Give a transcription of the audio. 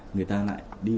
người ta lại đi